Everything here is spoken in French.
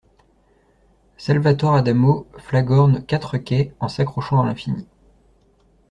Salvatore Adamo flagorne quatre quais en s'accrochant à l'infini.